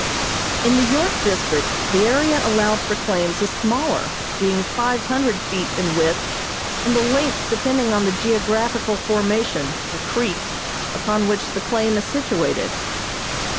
In the York District the area allowed for claims is smaller, being five hundred feet in width, and the length depending on the geographical formation or creek upon which the claim is situated.